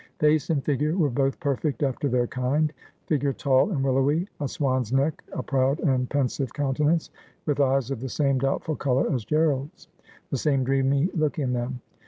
Face and figure were both perfect after their kind — figure tall and willowy, a swan's neck, a proud and pensive countenance, with eyes of the same doubtful colour as Gerald's, the same dreamy look in them.